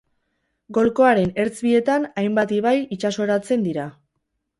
Golkoaren ertz bietan hainbat ibai itsasoratzen dira.